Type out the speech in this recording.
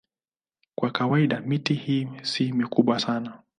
Kwa kawaida miti hii si mikubwa sana.